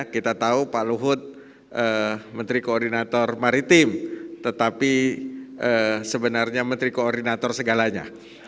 kita tahu pak luhut menteri koordinator maritim tetapi sebenarnya menteri koordinator segalanya